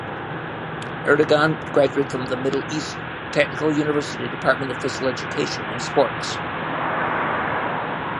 Erdogan graduated from Middle East Technical University Department of Physical Education and Sports.